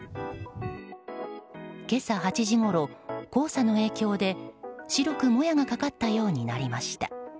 今朝８時ごろ、黄砂の影響で白く、もやがかかったようになりました。